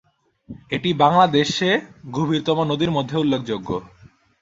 এটি বাংলাদেশে গভীরতম নদীর মধ্যে উল্লেখযোগ্য।